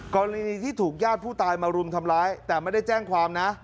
กรณีที่ถูกญาติผู้ตายมารุมทำร้ายแต่ไม่ได้แจ้งความนะ